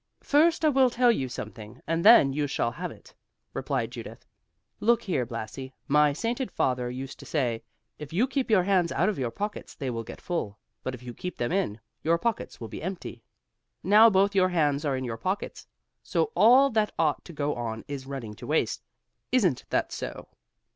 "First I will tell you something, and then you shall have it," replied Judith. "Look here, Blasi, my sainted father used to say, "If you keep your hands out of your pockets they will get full, but if you keep them in, your pockets will be empty." Now, both your hands are in your pockets, so all that ought to go in is running to waste. Isn't that so?"